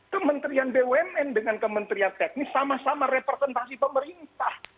kementerian bumn dengan kementerian teknis sama sama representasi pemerintah